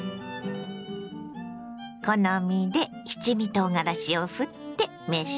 好みで七味とうがらしをふって召し上がれ。